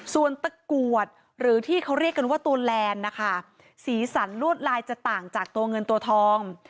ส่วนตะกรวดหรือที่เขาเรียกกันว่าตัวแลนด์นะคะสีสันลวดลายจะต่างจากตัวเงินตัวทอง